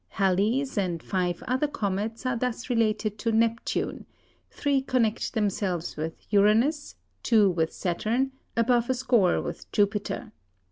Halley's, and five other comets are thus related to Neptune; three connect themselves with Uranus, two with Saturn, above a score with Jupiter.